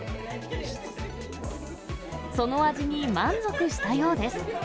その味に満足したようです。